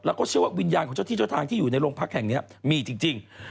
แล้วก็เชื่อว่าวิญญาณของเจ้าที่เจ้าทางที่อยู่ในโรงพักแห่งนี้มีจริง